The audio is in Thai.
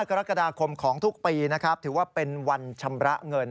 กรกฎาคมของทุกปีนะครับถือว่าเป็นวันชำระเงิน